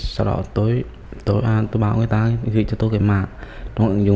sau đó tôi bảo người ta gửi cho tôi cái mạng